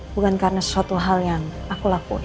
bukan karena suatu hal yang aku lakuin